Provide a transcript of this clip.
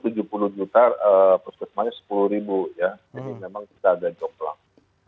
thailand itu penduduk tujuh puluh juta puskesmasnya sepuluh ribu ya jadi memang kita agak joplang